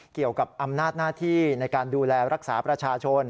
เกี่ยวกับอำนาจหน้าที่ในการดูแลรักษาประชาชน